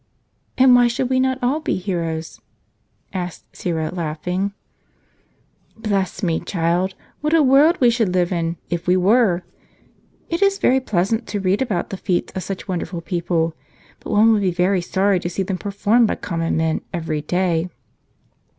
"And why should we not all be heroes?" asked Syra, laughing. "Bless me, child! what a world we should live in, if we were. It is very pleasant reading about the feats of such wonderful people ; but one would be very sorry to see them performed by common men, every day."